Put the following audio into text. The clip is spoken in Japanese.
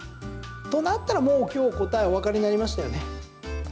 となったら、もう今日の答えおわかりになりましたよね？